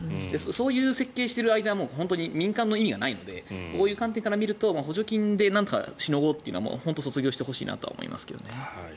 そういう設計をしている間は民間の意味がないのでこういう観点から見ると補助金でなんとかしのごうというのは卒業してほしいと思いますけどね。